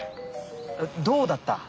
どうだった？